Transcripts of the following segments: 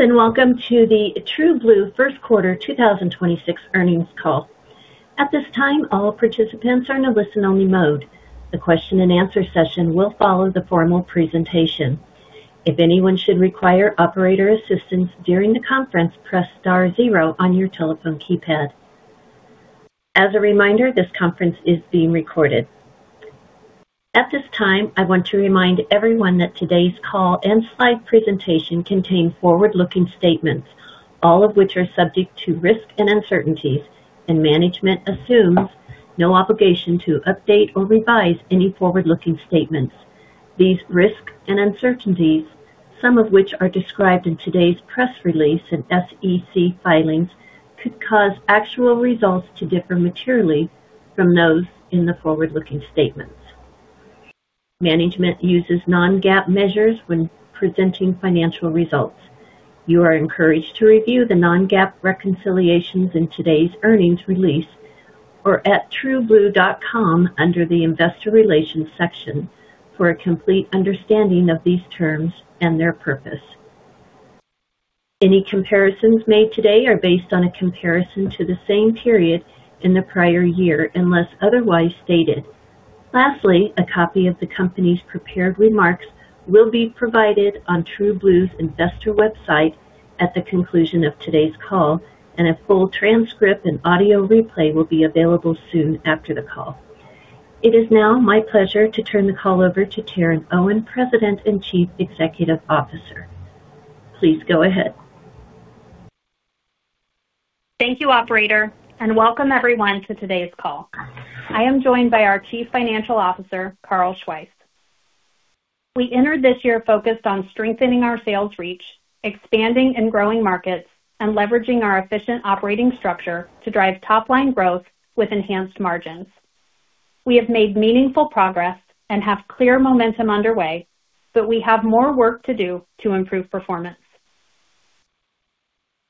Greetings, and welcome to the TrueBlue first quarter 2026 earnings call. At this time, all participants are in a listen-only mode. The question and answer session will follow the formal presentation. If anyone should require operator assistance during the conference, press star zero on your telephone keypad. As a reminder, this conference is being recorded. At this time, I want to remind everyone that today's call and slide presentation contain forward-looking statements, all of which are subject to risk and uncertainties, and management assumes no obligation to update or revise any forward-looking statements. These risks and uncertainties, some of which are described in today's press release and SEC filings, could cause actual results to differ materially from those in the forward-looking statements. Management uses non-GAAP measures when presenting financial results. You are encouraged to review the non-GAAP reconciliations in today's earnings release or at trueblue.com under the Investor Relations section for a complete understanding of these terms and their purpose. Any comparisons made today are based on a comparison to the same period in the prior year, unless otherwise stated. Lastly, a copy of the company's prepared remarks will be provided on TrueBlue's investor website at the conclusion of today's call, and a full transcript and audio replay will be available soon after the call. It is now my pleasure to turn the call over to Taryn Owen, President and Chief Executive Officer. Please go ahead. Thank you, operator, welcome everyone to today's call. I am joined by our Chief Financial Officer, Carl Schweihs. We entered this year focused on strengthening our sales reach, expanding in growing markets, and leveraging our efficient operating structure to drive top-line growth with enhanced margins. We have made meaningful progress and have clear momentum underway, but we have more work to do to improve performance.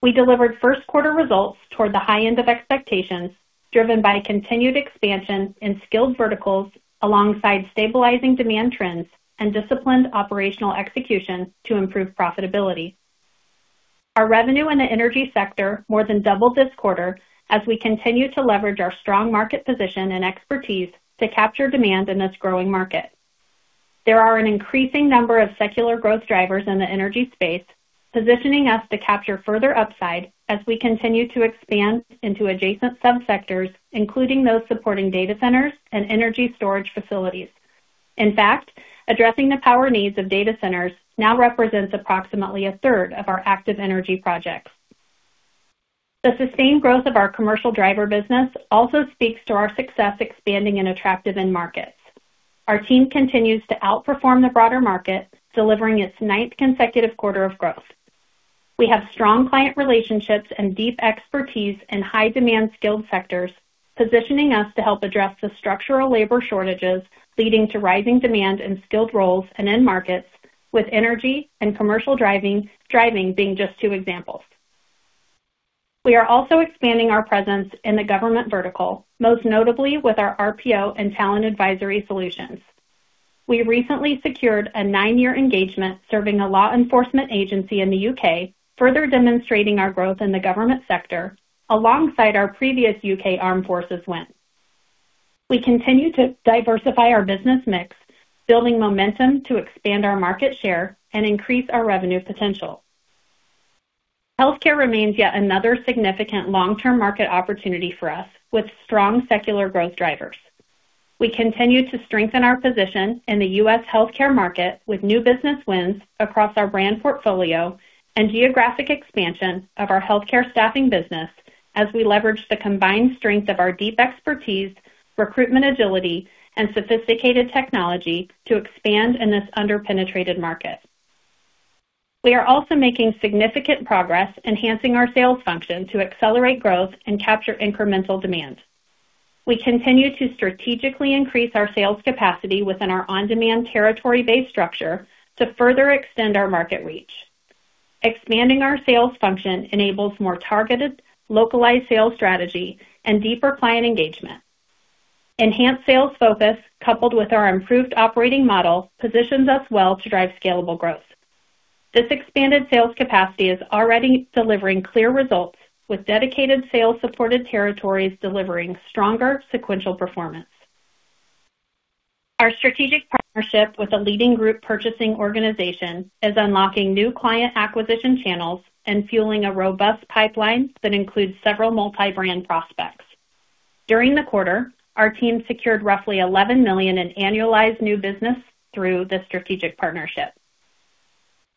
We delivered first quarter results toward the high end of expectations, driven by continued expansion in skilled verticals alongside stabilizing demand trends and disciplined operational execution to improve profitability. Our revenue in the energy sector more than doubled this quarter as we continue to leverage our strong market position and expertise to capture demand in this growing market. There are an increasing number of secular growth drivers in the energy space, positioning us to capture further upside as we continue to expand into adjacent sub-sectors, including those supporting data centers and energy storage facilities. In fact, addressing the power needs of data centers now represents approximately a third of our active energy projects. The sustained growth of our commercial driver business also speaks to our success expanding in attractive end markets. Our team continues to outperform the broader market, delivering its ninth consecutive quarter of growth. We have strong client relationships and deep expertise in high-demand skilled sectors, positioning us to help address the structural labor shortages leading to rising demand in skilled roles and end markets with energy and commercial driving being just two examples. We are also expanding our presence in the government vertical, most notably with our RPO and talent advisory solutions. We recently secured a nine-year engagement serving a law enforcement agency in the U.K., further demonstrating our growth in the government sector alongside our previous U.K. Armed Forces win. We continue to diversify our business mix, building momentum to expand our market share and increase our revenue potential. Healthcare remains yet another significant long-term market opportunity for us with strong secular growth drivers. We continue to strengthen our position in the U.S. healthcare market with new business wins across our brand portfolio and geographic expansion of our healthcare staffing business as we leverage the combined strength of our deep expertise, recruitment agility, and sophisticated technology to expand in this under-penetrated market. We are also making significant progress enhancing our sales function to accelerate growth and capture incremental demand. We continue to strategically increase our sales capacity within our on-demand territory-based structure to further extend our market reach. Expanding our sales function enables more targeted localized sales strategy and deeper client engagement. Enhanced sales focus, coupled with our improved operating model, positions us well to drive scalable growth. This expanded sales capacity is already delivering clear results, with dedicated sales-supported territories delivering stronger sequential performance. Our strategic partnership with a leading group purchasing organization is unlocking new client acquisition channels and fueling a robust pipeline that includes several multi-brand prospects. During the quarter, our team secured roughly $11 million in annualized new business through this strategic partnership.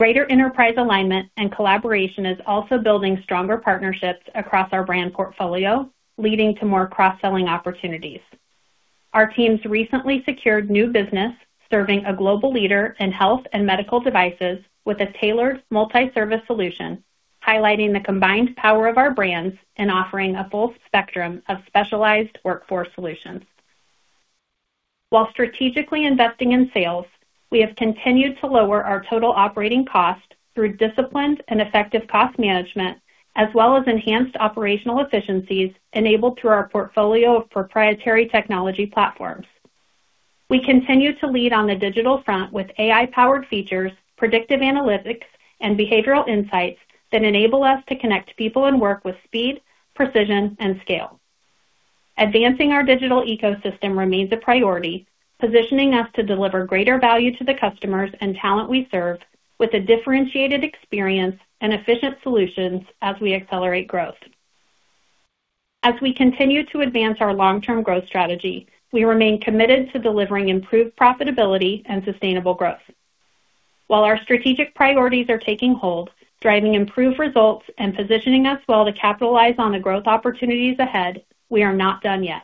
Greater enterprise alignment and collaboration is also building stronger partnerships across our brand portfolio, leading to more cross-selling opportunities. Our teams recently secured new business serving a global leader in health and medical devices with a tailored multi-service solution, highlighting the combined power of our brands and offering a full spectrum of specialized workforce solutions. While strategically investing in sales, we have continued to lower our total operating cost through disciplined and effective cost management, as well as enhanced operational efficiencies enabled through our portfolio of proprietary technology platforms. We continue to lead on the digital front with AI-powered features, predictive analytics, and behavioral insights that enable us to connect people and work with speed, precision, and scale. Advancing our digital ecosystem remains a priority, positioning us to deliver greater value to the customers and talent we serve with a differentiated experience and efficient solutions as we accelerate growth. As we continue to advance our long-term growth strategy, we remain committed to delivering improved profitability and sustainable growth. While our strategic priorities are taking hold, driving improved results and positioning us well to capitalize on the growth opportunities ahead, we are not done yet.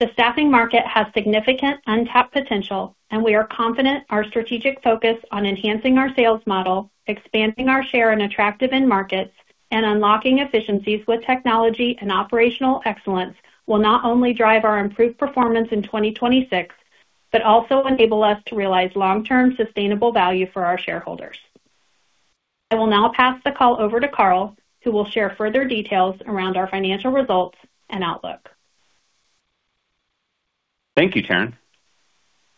The staffing market has significant untapped potential, and we are confident our strategic focus on enhancing our sales model, expanding our share in attractive end markets, and unlocking efficiencies with technology and operational excellence will not only drive our improved performance in 2026, but also enable us to realize long-term sustainable value for our shareholders. I will now pass the call over to Carl, who will share further details around our financial results and outlook. Thank you, Taryn.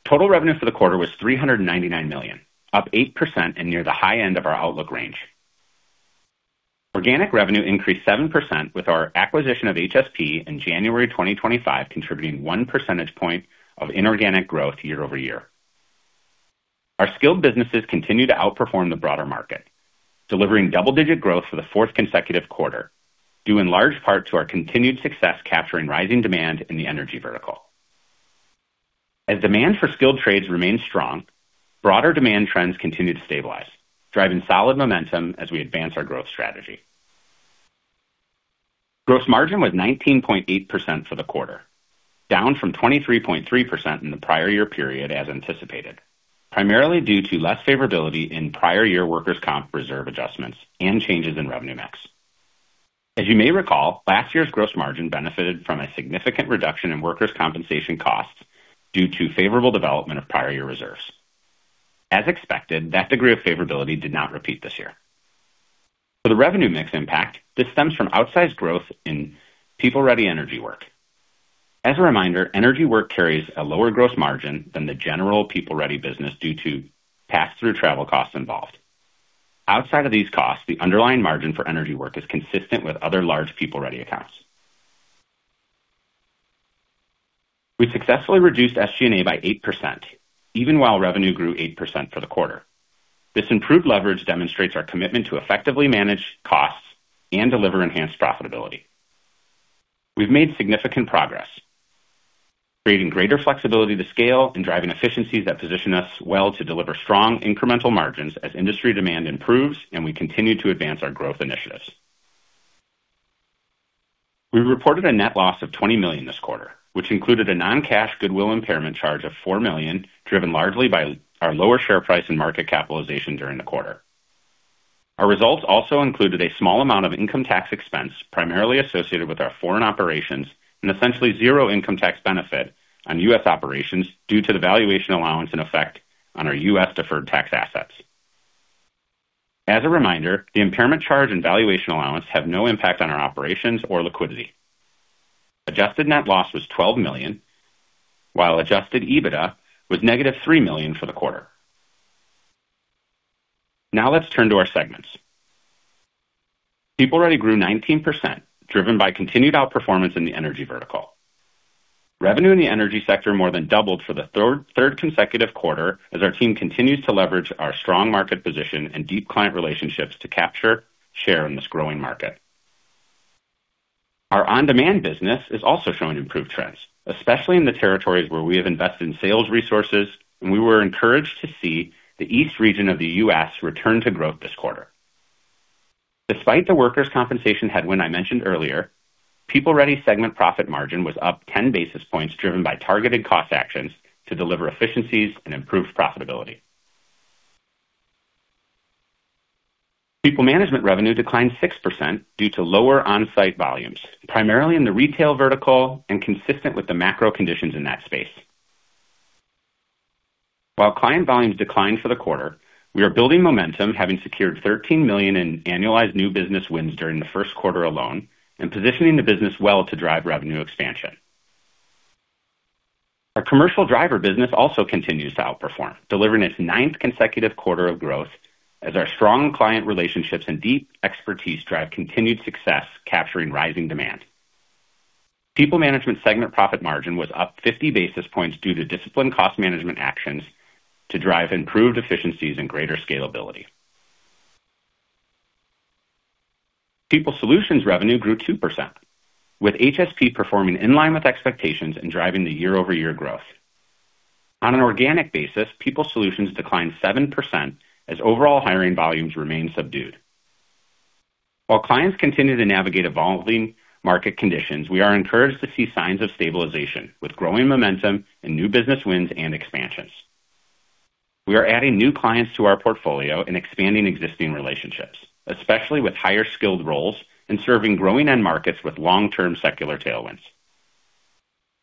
Total revenue for the quarter was $399 million, up 8% and near the high end of our outlook range. Organic revenue increased 7%, with our acquisition of HSP in January 2025 contributing one percentage point of inorganic growth year-over-year. Our skilled businesses continue to outperform the broader market, delivering double-digit growth for the fourth consecutive quarter, due in large part to our continued success capturing rising demand in the energy vertical. Demand for skilled trades remains strong, broader demand trends continue to stabilize, driving solid momentum as we advance our growth strategy. Gross margin was 19.8% for the quarter, down from 23.3% in the prior year period as anticipated, primarily due to less favorability in prior year workers' comp reserve adjustments and changes in revenue mix. As you may recall, last year's gross margin benefited from a significant reduction in workers' compensation costs due to favorable development of prior year reserves. As expected, that degree of favorability did not repeat this year. The revenue mix impact, this stems from outsized growth in PeopleReady energy work. A reminder, energy work carries a lower gross margin than the general PeopleReady business due to pass-through travel costs involved. Outside of these costs, the underlying margin for energy work is consistent with other large PeopleReady accounts. We successfully reduced SG&A by 8%, even while revenue grew 8% for the quarter. This improved leverage demonstrates our commitment to effectively manage costs and deliver enhanced profitability. We've made significant progress, creating greater flexibility to scale and driving efficiencies that position us well to deliver strong incremental margins as industry demand improves and we continue to advance our growth initiatives. We reported a net loss of $20 million this quarter, which included a non-cash goodwill impairment charge of $4 million, driven largely by our lower share price and market capitalization during the quarter. Our results also included a small amount of income tax expense, primarily associated with our foreign operations, and essentially zero income tax benefit on U.S. operations due to the valuation allowance in effect on our U.S. deferred tax assets. As a reminder, the impairment charge and valuation allowance have no impact on our operations or liquidity. Adjusted net loss was $12 million, while adjusted EBITDA was negative $3 million for the quarter. Now let's turn to our segments. PeopleReady grew 19%, driven by continued outperformance in the energy vertical. Revenue in the energy sector more than doubled for the third consecutive quarter as our team continues to leverage our strong market position and deep client relationships to capture share in this growing market. Our on-demand business is also showing improved trends, especially in the territories where we have invested in sales resources. We were encouraged to see the East region of the U.S. return to growth this quarter. Despite the workers' compensation headwind I mentioned earlier, PeopleReady segment profit margin was up 10 basis points, driven by targeted cost actions to deliver efficiencies and improve profitability. PeopleManagement revenue declined 6% due to lower on-site volumes, primarily in the retail vertical and consistent with the macro conditions in that space. While client volumes declined for the quarter, we are building momentum, having secured $13 million in annualized new business wins during the first quarter alone and positioning the business well to drive revenue expansion. Our commercial driver business also continues to outperform, delivering its ninth consecutive quarter of growth as our strong client relationships and deep expertise drive continued success capturing rising demand. PeopleManagement segment profit margin was up 50 basis points due to disciplined cost management actions to drive improved efficiencies and greater scalability. People Solutions revenue grew 2%, with HSP performing in line with expectations and driving the year-over-year growth. On an organic basis, People Solutions declined 7% as overall hiring volumes remain subdued. While clients continue to navigate evolving market conditions, we are encouraged to see signs of stabilization, with growing momentum in new business wins and expansions. We are adding new clients to our portfolio and expanding existing relationships, especially with higher-skilled roles and serving growing end markets with long-term secular tailwinds.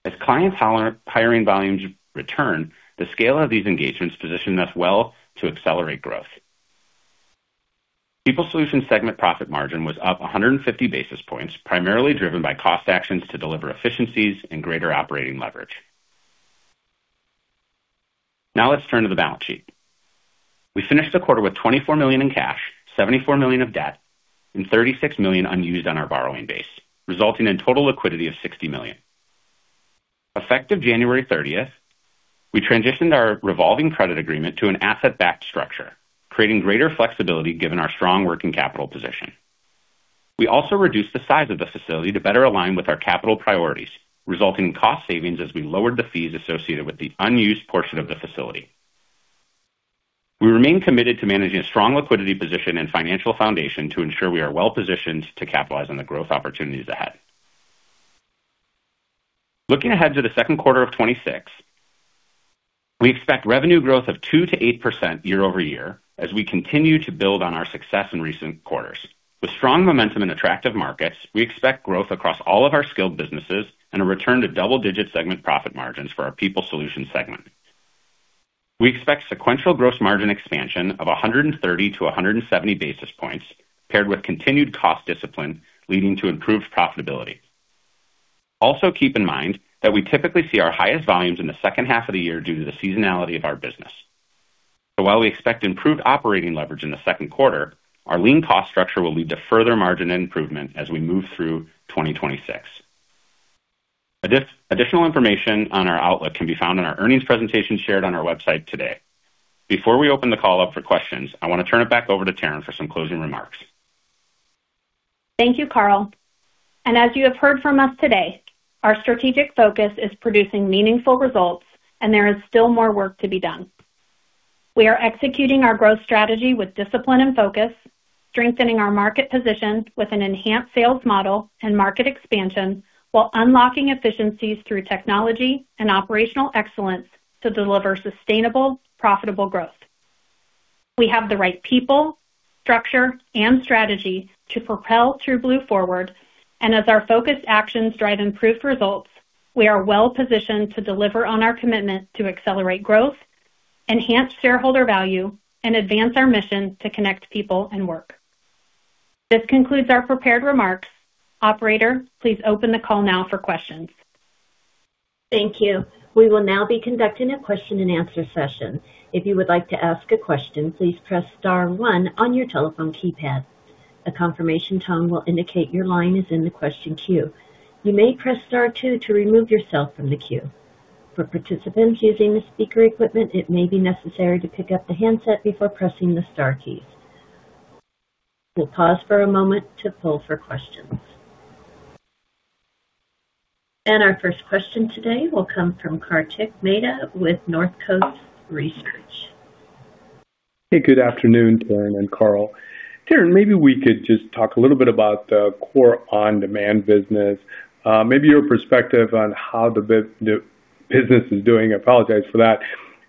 As clients hiring volumes return, the scale of these engagements position us well to accelerate growth. PeopleSolutions segment profit margin was up 150 basis points, primarily driven by cost actions to deliver efficiencies and greater operating leverage. Let's turn to the balance sheet. We finished the quarter with $24 million in cash, $74 million of debt, and $36 million unused on our borrowing base, resulting in total liquidity of $60 million. Effective January 30th, we transitioned our revolving credit agreement to an asset-backed structure, creating greater flexibility given our strong working capital position. We also reduced the size of the facility to better align with our capital priorities, resulting in cost savings as we lowered the fees associated with the unused portion of the facility. We remain committed to managing a strong liquidity position and financial foundation to ensure we are well-positioned to capitalize on the growth opportunities ahead. Looking ahead to the second quarter of 2026, we expect revenue growth of 2%-8% year-over-year as we continue to build on our success in recent quarters. With strong momentum in attractive markets, we expect growth across all of our skilled businesses and a return to double-digit segment profit margins for our PeopleSolutions segment. We expect sequential gross margin expansion of 130 to 170 basis points, paired with continued cost discipline leading to improved profitability. Also, keep in mind that we typically see our highest volumes in the second half of the year due to the seasonality of our business. While we expect improved operating leverage in the second quarter, our lean cost structure will lead to further margin improvement as we move through 2026. Additional information on our outlook can be found in our earnings presentation shared on our website today. Before we open the call up for questions, I want to turn it back over to Taryn for some closing remarks. Thank you, Carl. As you have heard from us today, our strategic focus is producing meaningful results, and there is still more work to be done. We are executing our growth strategy with discipline and focus, strengthening our market position with an enhanced sales model and market expansion, while unlocking efficiencies through technology and operational excellence to deliver sustainable, profitable growth. We have the right people, structure, and strategy to propel TrueBlue forward. As our focused actions drive improved results, we are well-positioned to deliver on our commitment to accelerate growth, enhance shareholder value, and advance our mission to connect people and work. This concludes our prepared remarks. Operator, please open the call now for questions. Thank you. We will now be conducting a question-and-answer session. If you would like to ask a question, please press star one on your telephone keypad. A confirmation tone will indicate your line is in the question queue. You may press star two to remove yourself from the queue. For participants using the speaker equipment, it may be necessary to pick up the handset before pressing the star keys. We'll pause for a moment to pull for questions. Our first question today will come from Kartik Mehta with Northcoast Research. Hey, good afternoon, Taryn and Carl. Taryn, maybe we could just talk a little bit about the core on-demand business, maybe your perspective on how the new business is doing. I apologize for that.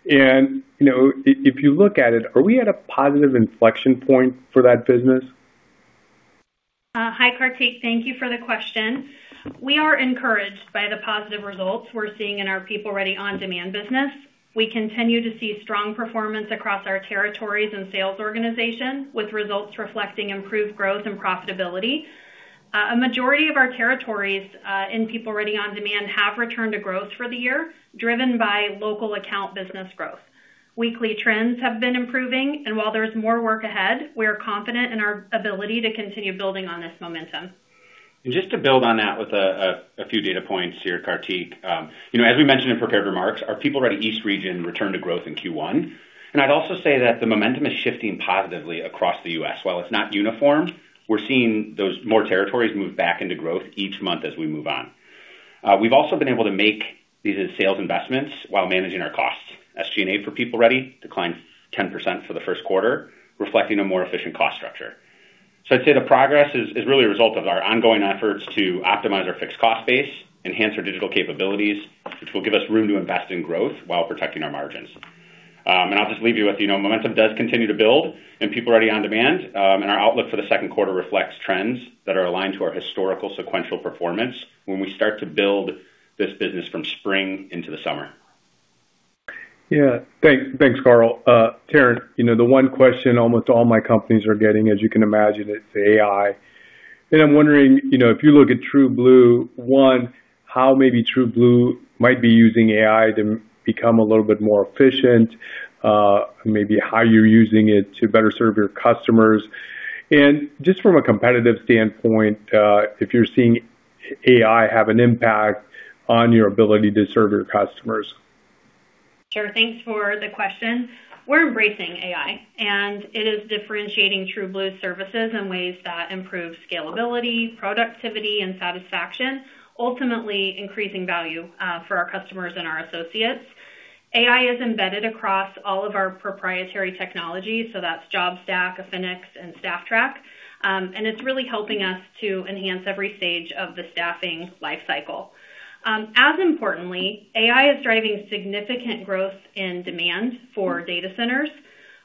you know, if you look at it, are we at a positive inflection point for that business? Hi, Kartik. Thank you for the question. We are encouraged by the positive results we're seeing in our PeopleReady on-demand business. We continue to see strong performance across our territories and sales organizations, with results reflecting improved growth and profitability. A majority of our territories in PeopleReady on-demand have returned to growth for the year, driven by local account business growth. Weekly trends have been improving, while there is more work ahead, we are confident in our ability to continue building on this momentum. Just to build on that with a few data points here, Kartik. You know, as we mentioned in prepared remarks, our PeopleReady East region returned to growth in Q1. I'd also say that the momentum is shifting positively across the U.S. While it's not uniform, we're seeing those more territories move back into growth each month as we move on. We've also been able to make these as sales investments while managing our costs. SG&A for PeopleReady declined 10% for the first quarter, reflecting a more efficient cost structure. I'd say the progress is really a result of our ongoing efforts to optimize our fixed cost base, enhance our digital capabilities, which will give us room to invest in growth while protecting our margins. I'll just leave you with, you know, momentum does continue to build in PeopleReady on-demand, and our outlook for the second quarter reflects trends that are aligned to our historical sequential performance when we start to build this business from spring into the summer. Yeah. Thanks, Carl. Taryn, you know, the one question almost all my companies are getting, as you can imagine, is AI. I'm wondering, you know, if you look at TrueBlue, one, how maybe TrueBlue might be using AI to become a little bit more efficient, maybe how you're using it to better serve your customers. Just from a competitive standpoint, if you're seeing AI have an impact on your ability to serve your customers. Sure. Thanks for the question. We're embracing AI. It is differentiating TrueBlue services in ways that improve scalability, productivity, and satisfaction, ultimately increasing value for our customers and our associates. AI is embedded across all of our proprietary technologies, JobStack, Affinix, and StaffTrack. It's really helping us to enhance every stage of the staffing life cycle. As importantly, AI is driving significant growth in demand for data centers.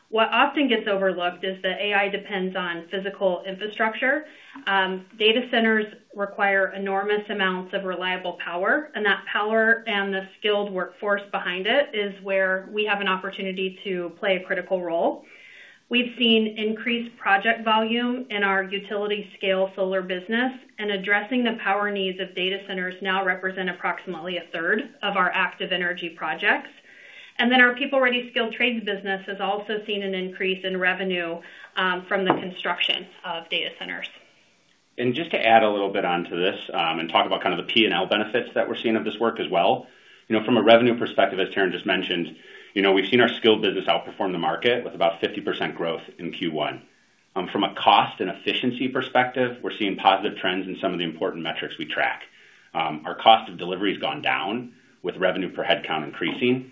What often gets overlooked is that AI depends on physical infrastructure. Data centers require enormous amounts of reliable power, and that power and the skilled workforce behind it is where we have an opportunity to play a critical role. We've seen increased project volume in our utility scale solar business, and addressing the power needs of data centers now represent approximately a third of our active energy projects. Our PeopleReady skilled trades business has also seen an increase in revenue, from the construction of data centers. Just to add a little bit onto this, and talk about kind of the P&L benefits that we're seeing of this work as well. You know, from a revenue perspective, as Taryn just mentioned, you know, we've seen our skilled business outperform the market with about 50% growth in Q1. From a cost and efficiency perspective, we're seeing positive trends in some of the important metrics we track. Our cost of delivery has gone down with revenue per headcount increasing.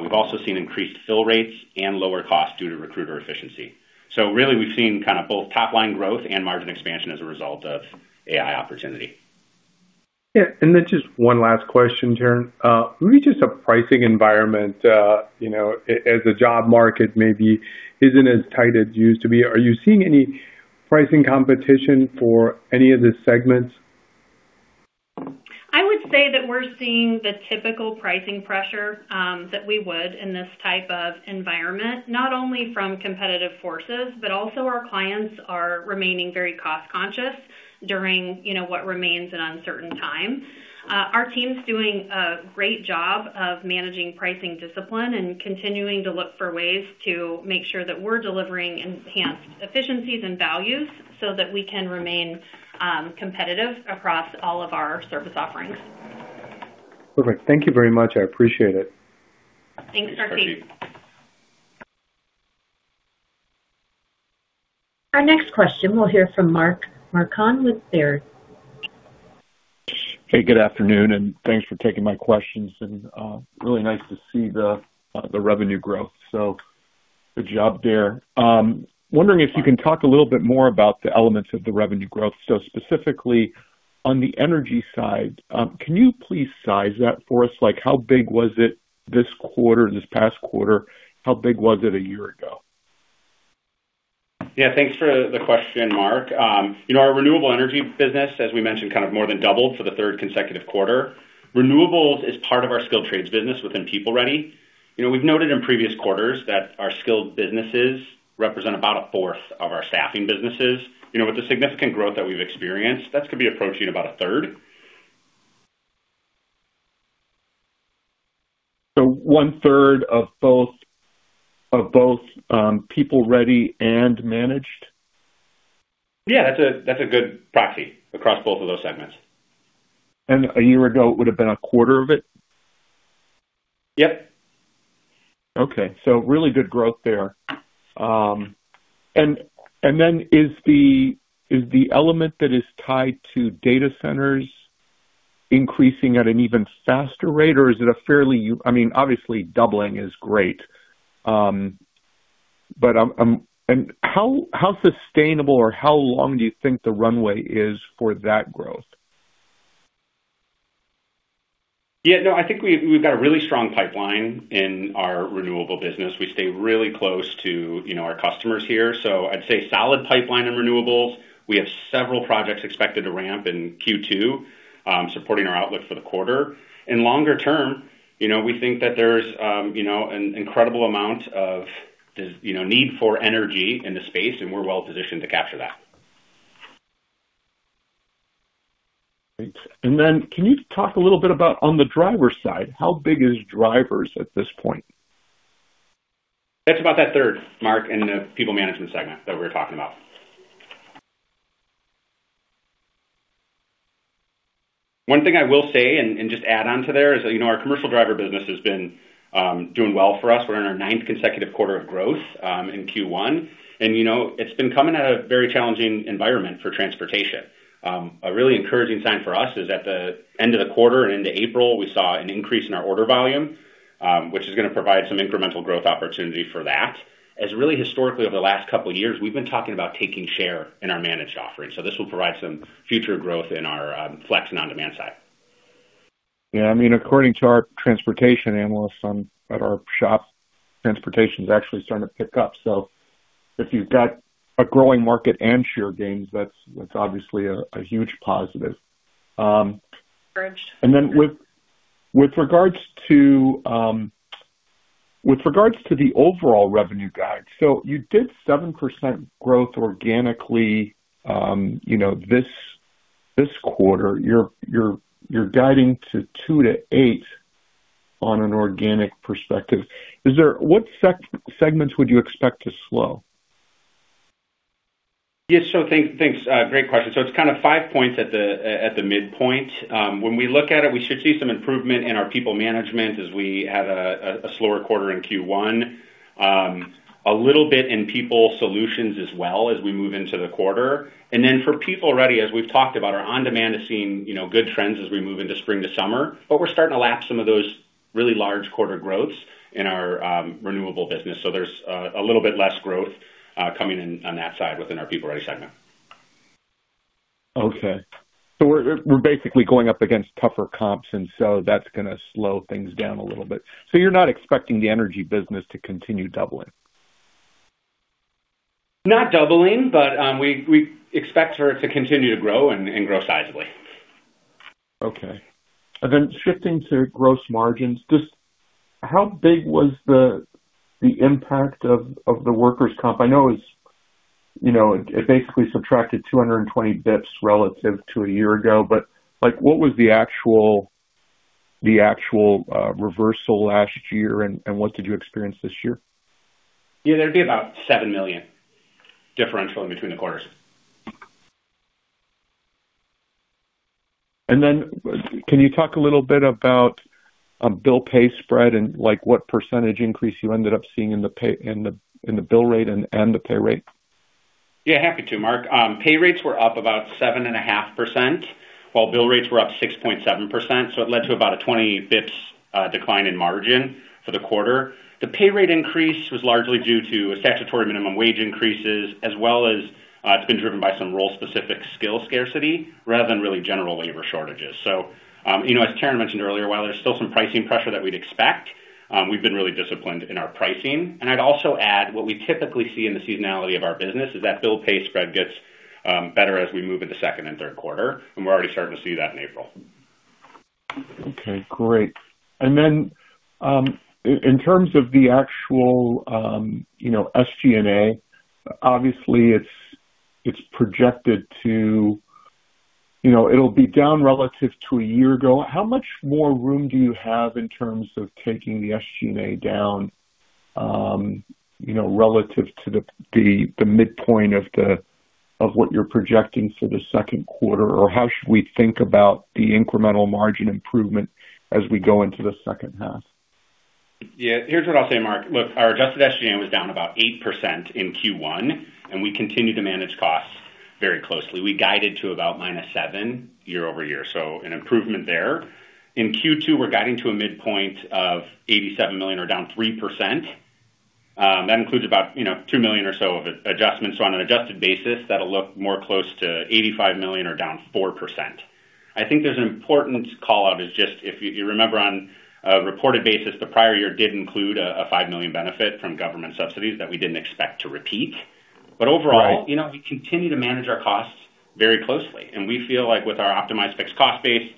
We've also seen increased fill rates and lower costs due to recruiter efficiency. Really, we've seen kind of both top line growth and margin expansion as a result of AI opportunity. Yeah. Just one last question, Taryn. Maybe just a pricing environment, you know, as a job market maybe isn't as tight as it used to be. Are you seeing any pricing competition for any of the segments? I would say that we're seeing the typical pricing pressure, that we would in this type of environment, not only from competitive forces, but also our clients are remaining very cost conscious during, you know, what remains an uncertain time. Our team's doing a great job of managing pricing discipline and continuing to look for ways to make sure that we're delivering enhanced efficiencies and values so that we can remain competitive across all of our service offerings. Perfect. Thank you very much. I appreciate it. Thanks, Kartik. Our next question we'll hear from Mark Marcon with Baird. Hey, good afternoon, thanks for taking my questions. Really nice to see the revenue growth. Good job there. Wondering if you can talk a little bit more about the elements of the revenue growth. Specifically on the energy side, can you please size that for us? Like, how big was it this quarter, this past quarter? How big was it a year ago? Yeah, thanks for the question, Mark. You know, our renewable energy business, as we mentioned, kind of more than doubled for the third consecutive quarter. Renewables is part of our skilled trades business within PeopleReady. You know, we've noted in previous quarters that our skilled businesses represent about a fourth of our staffing businesses. You know, with the significant growth that we've experienced, that's gonna be approaching about a third. One third of both, People Ready and Managed? Yeah, that's a good proxy across both of those segments. A year ago, it would have been a quarter of it? Yep. Okay. Really good growth there. Is the element that is tied to data centers increasing at an even faster rate, or is it a fairly I mean, obviously doubling is great, how sustainable or how long do you think the runway is for that growth? Yeah, no, I think we've got a really strong pipeline in our renewable business. We stay really close to, you know, our customers here. I'd say solid pipeline in renewables. We have several projects expected to ramp in Q2, supporting our outlook for the quarter. Longer term, you know, we think that there's, you know, an incredible amount of this, you know, need for energy in the space, and we're well positioned to capture that. Great. Can you talk a little bit about on the driver's side, how big is drivers at this point? That's about that third, Mark, in the PeopleManagement segment that we were talking about. One thing I will say, and just add on to there is that, you know, our commercial driver business has been doing well for us. We're in our ninth consecutive quarter of growth in Q1. You know, it's been coming at a very challenging environment for transportation. A really encouraging sign for us is at the end of the quarter and into April, we saw an increase in our order volume, which is gonna provide some incremental growth opportunity for that. Really historically over the last two years, we've been talking about taking share in our managed offerings. This will provide some future growth in our flex and on-demand side. Yeah, I mean, according to our transportation analysts, at our shop, transportation is actually starting to pick up. If you've got a growing market and share gains, that's obviously a huge positive. Encouraged. With regards to the overall revenue guide, you did 7% growth organically, you know, this quarter. You're guiding to 2%-8% on an organic perspective. What segments would you expect to slow? Yeah. Thanks, great question. It's kind of 5 points at the midpoint. When we look at it, we should see some improvement in our PeopleManagement as we had a slower quarter in Q1. A little bit in People solutions as well as we move into the quarter. For PeopleReady, as we've talked about, our on-demand is seeing, you know, good trends as we move into spring to summer. We're starting to lap some of those really large quarter growths in our renewable business. There's a little bit less growth coming in on that side within our PeopleReady segment. Okay. We're basically going up against tougher comps, that's gonna slow things down a little bit. You're not expecting the energy business to continue doubling? Not doubling, but, we expect for it to continue to grow and grow sizably. Okay. Then shifting to gross margins, just how big was the impact of the workers' comp? I know it's, you know, it basically subtracted 220 BPS relative to a year ago, but, like, what was the actual reversal last year and what did you experience this year? Yeah, there'd be about $7 million differential in between the quarters. Then can you talk a little bit about, bill pay spread and, like, what % increase you ended up seeing in the bill rate and the pay rate? Happy to, Mark. Pay rates were up about 7.5%, while bill rates were up 6.7%, it led to about a 20 BPS decline in margin for the quarter. The pay rate increase was largely due to statutory minimum wage increases as well as it's been driven by some role-specific skill scarcity rather than really general labor shortages. you know, as Taryn Owen mentioned earlier, while there's still some pricing pressure that we'd expect, we've been really disciplined in our pricing. I'd also add, what we typically see in the seasonality of our business is that bill pay spread gets better as we move into second and third quarter, and we're already starting to see that in April. Okay, great. In terms of the actual, you know, SG&A, obviously it's projected to You know, it'll be down relative to a year ago. How much more room do you have in terms of taking the SG&A down, you know, relative to the midpoint of what you're projecting for the second quarter? Or how should we think about the incremental margin improvement as we go into the second half? Here's what I'll say, Mark. Look, our adjusted SG&A was down about 8% in Q1, and we continue to manage costs very closely. We guided to about -7% year-over-year, so an improvement there. In Q2, we're guiding to a midpoint of $87 million or down 3%. That includes about, you know, $2 million or so of adjustments. On an adjusted basis, that'll look more close to $85 million or down 4%. I think there's an important call out is just, if you remember on a reported basis, the prior year did include a $5 million benefit from government subsidies that we didn't expect to repeat. Right. Overall, you know, we continue to manage our costs very closely, and we feel like with our optimized fixed cost base,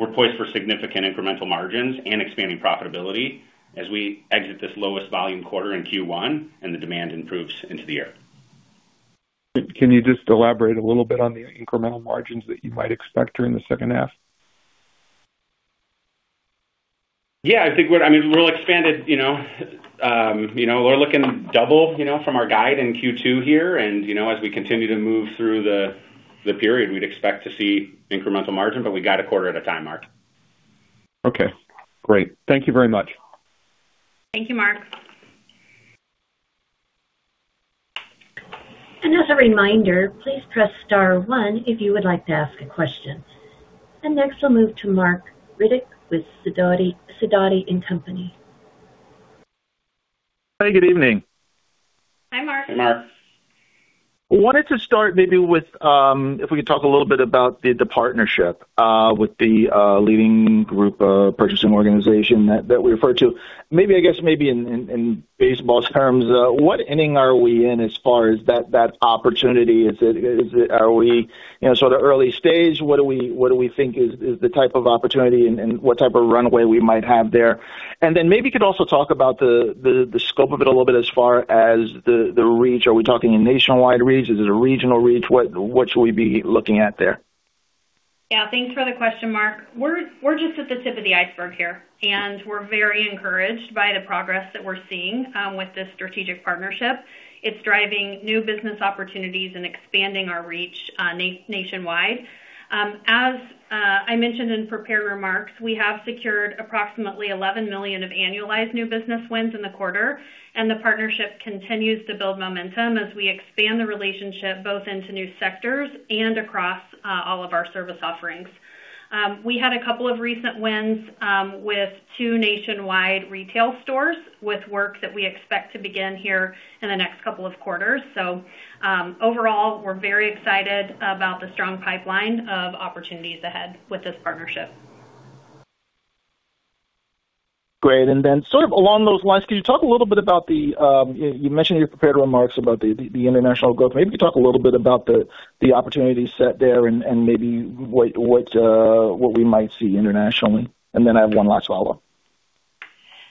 we're poised for significant incremental margins and expanding profitability as we exit this lowest volume quarter in Q1 and the demand improves into the year. Can you just elaborate a little bit on the incremental margins that you might expect during the second half? Yeah, I think I mean, we're expanded, you know. you know, we're looking double, you know, from our guide in Q2 here. you know, as we continue to move through the period, we'd expect to see incremental margin, but we guide a quarter at a time, Mark. Okay, great. Thank you very much. Thank you, Mark. As a reminder, please press star one if you would like to ask a question. Next we'll move to Marc Riddick with Sidoti & Company. Hey, good evening. Hi, Marc. Hello. I wanted to start maybe with, if we could talk a little bit about the partnership with the leading group purchasing organization that we refer to. Maybe, I guess maybe in baseball's terms, what inning are we in as far as that opportunity? Are we, you know, sort of early stage? What do we think is the type of opportunity and what type of runway we might have there? Then maybe you could also talk about the scope of it a little bit as far as the reach. Are we talking a nationwide reach? Is it a regional reach? What, what should we be looking at there? Yeah. Thanks for the question, Marc. We're just at the tip of the iceberg here, and we're very encouraged by the progress that we're seeing with this strategic partnership. It's driving new business opportunities and expanding our reach nationwide. As I mentioned in prepared remarks, we have secured approximately $11 million of annualized new business wins in the quarter, and the partnership continues to build momentum as we expand the relationship both into new sectors and across all of our service offerings. We had a couple of recent wins with two nationwide retail stores with work that we expect to begin here in the next couple of quarters. Overall, we're very excited about the strong pipeline of opportunities ahead with this partnership. Great. Then sort of along those lines, can you talk a little bit about the, you mentioned in your prepared remarks about the international growth. Maybe you could talk a little bit about the opportunity set there and maybe what, what we might see internationally. Then I have one last follow-up.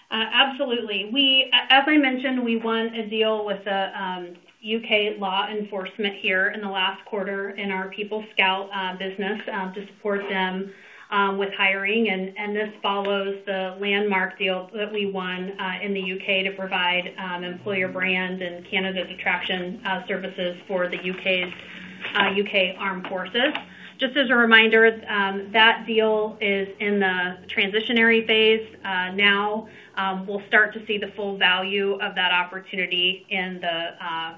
Absolutely. As we mentioned, we won a deal with the U.K. law enforcement here in the last quarter in our PeopleScout business to support them with hiring. This follows the landmark deal that we won in the U.K. to provide employer brand and candidate attraction services for the U.K.'s British Armed Forces. Just as a reminder, that deal is in the transitionary phase. Now, we'll start to see the full value of that opportunity in the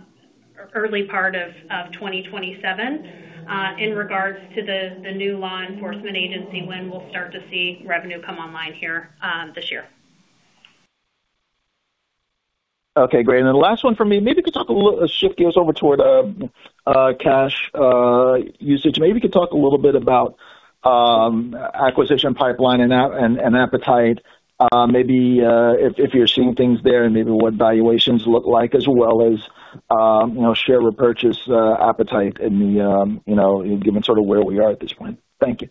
early part of 2027, in regards to the new law enforcement agency win. We'll start to see revenue come online here this year. Okay, great. The last one for me, maybe you could talk a little shift gears over toward cash usage. Maybe you could talk a little bit about acquisition pipeline and appetite. Maybe if you're seeing things there and maybe what valuations look like as well as, you know, share repurchase appetite in the, you know, given sort of where we are at this point. Thank you.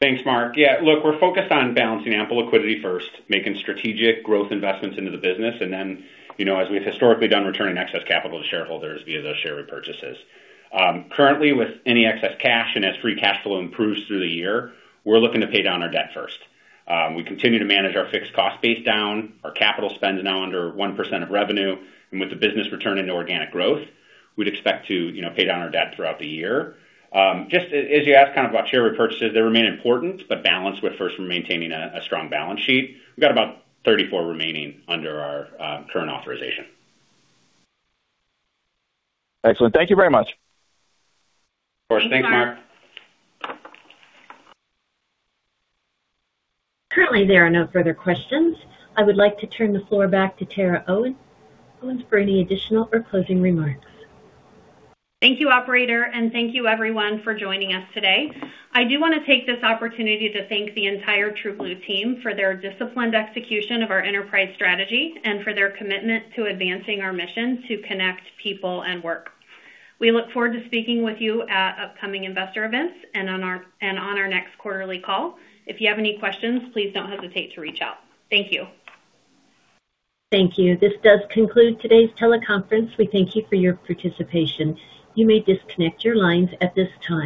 Thanks, Marc. Yeah, look, we're focused on balancing ample liquidity first, making strategic growth investments into the business, and then, you know, as we've historically done, returning excess capital to shareholders via those share repurchases. Currently with any excess cash and as free cash flow improves through the year, we're looking to pay down our debt first. We continue to manage our fixed cost base down. Our capital spend is now under 1% of revenue. With the business returning to organic growth, we'd expect to, you know, pay down our debt throughout the year. Just as you asked kind of about share repurchases, they remain important, but balanced with first maintaining a strong balance sheet. We've got about $34 remaining under our current authorization. Excellent. Thank you very much. Of course. Thanks, Marc. Thanks, Marc. Currently, there are no further questions. I would like to turn the floor back to Taryn Owen for any additional or closing remarks. Thank you, operator, and thank you everyone for joining us today. I do wanna take this opportunity to thank the entire TrueBlue team for their disciplined execution of our enterprise strategy and for their commitment to advancing our mission to connect people and work. We look forward to speaking with you at upcoming investor events and on our next quarterly call. If you have any questions, please don't hesitate to reach out. Thank you. Thank you. This does conclude today's teleconference. We thank you for your participation. You may disconnect your lines at this time.